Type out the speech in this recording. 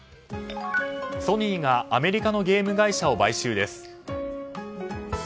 ソニーがアメリカのゲーム会社を買収です。